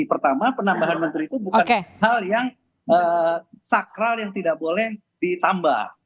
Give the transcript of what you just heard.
pertama penambahan menteri itu bukan hal yang sakral yang tidak boleh ditambah